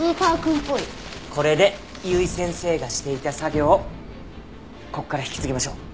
これで由井先生がしていた作業をここから引き継ぎましょう。